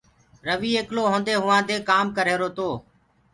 رويٚ ايڪلو هونٚدي هوآدي ڪآم ڪرريهرو تو